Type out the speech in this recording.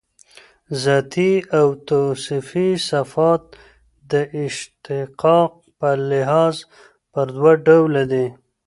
ذاتي او توصیفي صفات د اشتقاق په لحاظ پر دوه ډوله دي.